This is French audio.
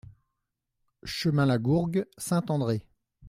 Chemin Lagourgue, Saint-André